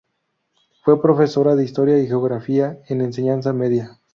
Fue profesora de historia y geografía en enseñanza media.